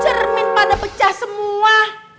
cermin pada pecah semua